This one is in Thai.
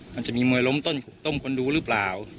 มันจะมีมวยล้มต้มคนดูหรือเปล่า